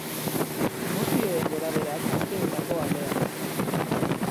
Emozioen gorabeherak aste honetako alean.